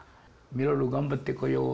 「いろいろ頑張ってこよう。